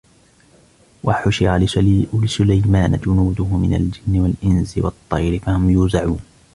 وحشر لسليمان جنوده من الجن والإنس والطير فهم يوزعون